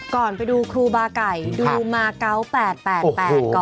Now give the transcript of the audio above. ก่อนไปดูครูบาไก่ดูมา๙๘๘๘ก่อนครับ